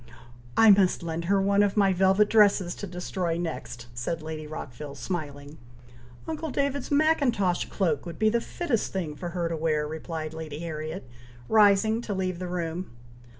"I must lend her one of my velvet dresses to destroy next," said Lady Rockville, smiling. "Uncle David's Mackintosh cloak would be the fittest thing for her to wear," replied Lady Harriet, rising to leave the room.